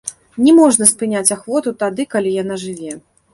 Не можна спыняць ахвоту тады, калі яна жыве.